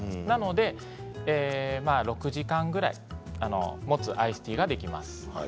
なので６時間ぐらいもつアイスティーができます。